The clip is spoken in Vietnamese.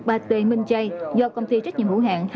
bate minh chay do công ty trách nhiệm hữu hạng